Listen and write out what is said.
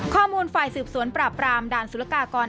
ข้อมูลฝ่ายสืบสวนปราบรามด่านสุรกากร